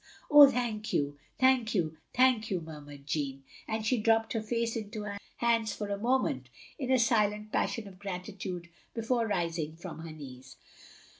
"Oh, thank you, thank you, thank you," murmured Jeanne, and she dropped her face into her hands for a moment, in a silent passion of gratitude, — before rising from her knees.